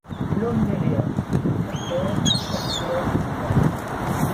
L’homme n’est rien la terre à chaque heure lui ment ;